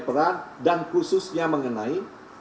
peran dan khususnya mengenai